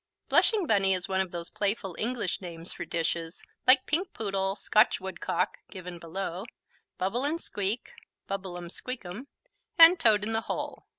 Blushing Bunny is one of those playful English names for dishes, like Pink Poodle, Scotch Woodcock (given below), Bubble and Squeak (Bubblum Squeakum), and Toad in the Hole.